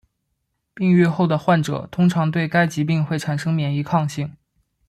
病愈后的患者通常对该疾病会产生免疫抗性。